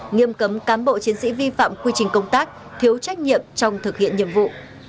nghiêm cấm cán bộ chiến sĩ vi phạm quy trình công tác thiếu trách nhiệm trong thực hiện nhiệm vụ